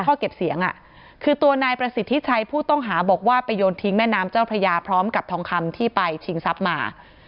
เก็บเสียงคือตัวนายประสิทธิชัยผู้ต้องหาบอกว่าไปโยนทิ้งแม่น้ำเจ้าพระยาพร้อมกับทองคำที่ไปชิงทรัพย์มา